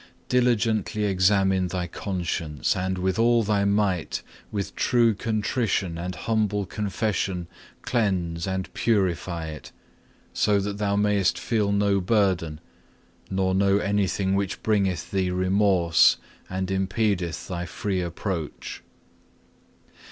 Diligently examine thy conscience and with all thy might with true contrition and humble confession cleanse and purify it, so that thou mayest feel no burden, nor know anything which bringeth thee remorse and impedeth thy free approach.